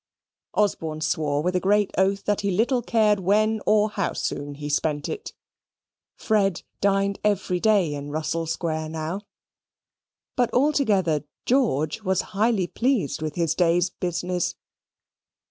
Osborne swore with a great oath that he little cared when or how soon he spent it. Fred dined every day in Russell Square now. But altogether, George was highly pleased with his day's business.